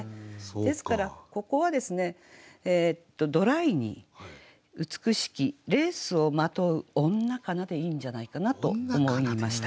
ですからここはドライに「うつくしきレースを纏ふ女かな」でいいんじゃないかなと思いました。